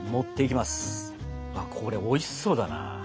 これおいしそうだな。